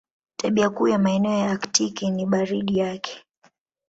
Tabia kuu ya maeneo ya Aktiki ni baridi yake.